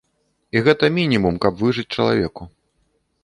І гэта мінімум, каб выжыць чалавеку.